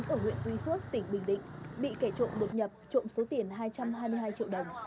tùy phước tỉnh bình định bị kẻ trộm đột nhập trộm số tiền hai trăm hai mươi hai triệu đồng